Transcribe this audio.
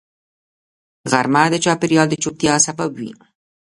غرمه د چاپېریال د چوپتیا سبب وي